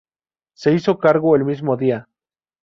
Se hizo cargo el mismo día.